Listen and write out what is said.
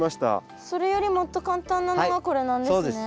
それよりもっと簡単なのがこれなんですね。